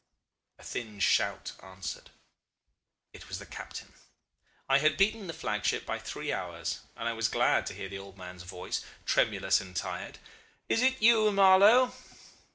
A thin shout answered. "It was the captain. I had beaten the flagship by three hours, and I was glad to hear the old man's voice, tremulous and tired. 'Is it you, Marlow?